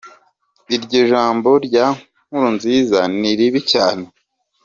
Iryo jambo rya Nkurunziza ni ribi cyane.